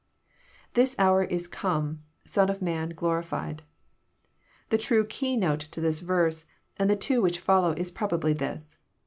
[ The hour is come,.. Son of man... glorified.'] The true key note to this verse, and the two which follow, is probably this.